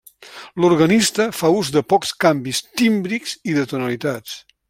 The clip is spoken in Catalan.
L'organista fa ús de pocs canvis tímbrics i de tonalitats.